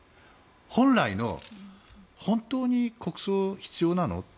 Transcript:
本来の本当に国葬必要なの？